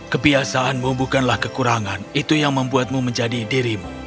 kebiasaanmu bukanlah kekurangan itu yang membuatmu menjadi dirimu